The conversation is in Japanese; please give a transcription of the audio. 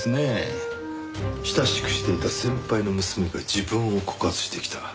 親しくしていた先輩の娘が自分を告発してきた。